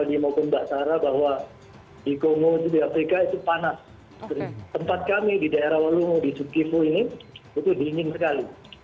jadi saya berpikir mbak sarah bahwa di kongo di afrika itu panas tempat kami di daerah walungo di sukifo ini itu dingin sekali